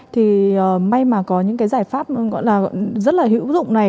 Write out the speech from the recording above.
thì may mà có những cái giải pháp rất là hữu dụng này